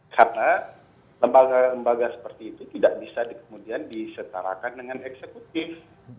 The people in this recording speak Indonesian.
karena lembaga lembaga seperti itu tidak bisa kemudian disetarakan dengan eksekutif